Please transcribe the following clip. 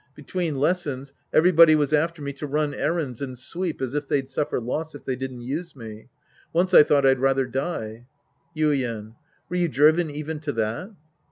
Between lessons every body was after me to run errands and sweep as if they'd suffer loss if they didn't use me. Once I thought I'd rather die. Yuien. Were you driven even to that